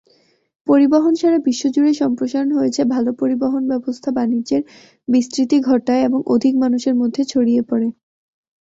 পরিবহন সারা বিশ্বজুড়ে সম্প্রসারণ হয়েছে; ভাল পরিবহন ব্যবস্থা বাণিজ্যের বিস্তৃতি ঘটায় এবং অধিক মানুষের মধ্যে ছড়িয়ে পড়ে।